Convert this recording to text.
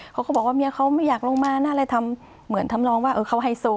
เขาก็บอกว่าเมียเขาไม่อยากลงมานะอะไรทำเหมือนทำนองว่าเขาไฮโซ